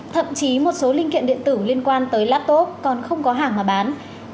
thậm chí một số linh kiện điện tử liên quan tới laptop còn không có hàng mà bán